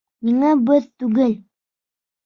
Ниңә беҙ түгел?